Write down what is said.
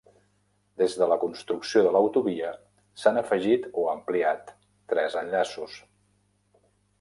Des de la construcció de l'autovia, s'han afegit o ampliat tres enllaços.